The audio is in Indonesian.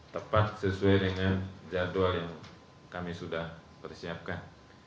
tepat sesuai dengan jadwal yang kami sudah persiapkan